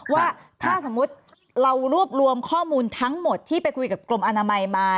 ว่าถ้าสมมุติเรารวบรวมข้อมูลทั้งหมดที่ไปคุยกับกรมอนามัยมา